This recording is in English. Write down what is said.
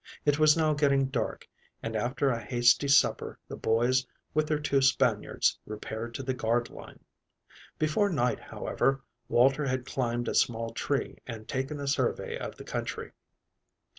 It was now getting dark, and after a hasty supper the boys with their two Spaniards repaired to the guard line. Before night, however, Walter had climbed a small tree and taken a survey of the country.